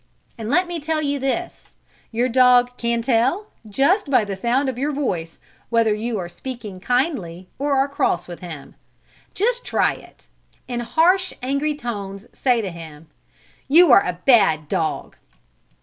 And let me tell you this, your dog can tell, just by the sound of your voice, whether you are speaking kindly or are cross with him. Just try it. In harsh, angry tones say to him: "You are a bad dog!"